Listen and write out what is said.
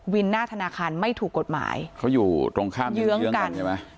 หน้าธนาคารไม่ถูกกฎหมายเขาอยู่ตรงข้ามเยื้องกันใช่ไหม